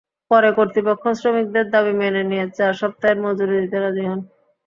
পরে কর্তৃপক্ষ শ্রমিকদের দাবি মেনে নিয়ে চার সপ্তাহের মজুরি দিতে রাজি হন।